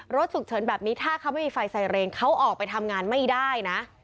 รถฉุกเฉินแบบนี้ถ้าเขาไม่มีไฟไซเรนเขาออกไปทำงานไม่ได้นะ